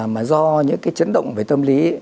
mà do những cái chấn động về tâm lý